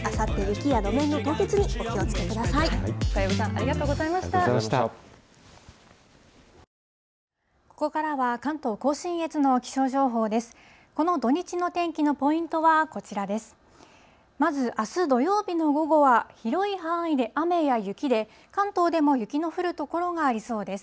まずあす土曜日の午後は、広い範囲で雨や雪で、関東でも雪の降る所がありそうです。